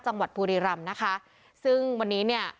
จังหวัดบุรีรำนะคะ